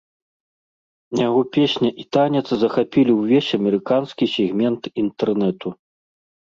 Яго песня і танец захапілі ўвесь амерыканскі сегмент інтэрнэту.